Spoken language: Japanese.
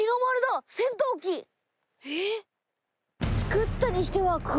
えっ？